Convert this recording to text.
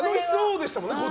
楽しそうでしたよね。